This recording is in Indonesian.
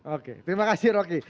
oke terima kasih roki